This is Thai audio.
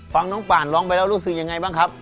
ฟังน้องป่านร้องไปแล้วรู้สึกยังไงบ้างครับ